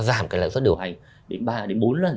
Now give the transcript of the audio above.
giảm cái lãi suất điều hành đến ba đến bốn lần